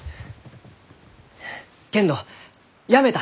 けんどやめた！